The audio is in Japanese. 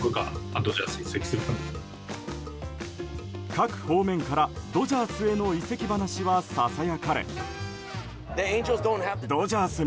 各方面から、ドジャースへの移籍話はささやかれ。